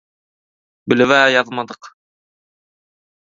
Bilib-ä ýazmadyk.